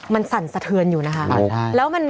มันสั่นสะเทือนอยู่นะคะ